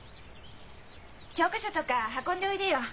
教科書とか運んでおいでよ。